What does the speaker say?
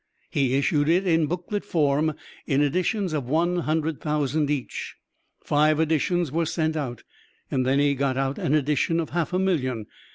He issued it in booklet form in editions of one hundred thousand each. Five editions were sent out, and then he got out an edition of half a million.